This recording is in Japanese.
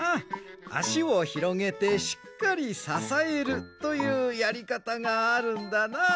あしをひろげてしっかりささえるというやりかたがあるんだな。